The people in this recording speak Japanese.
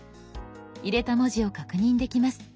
入れた文字を確認できます。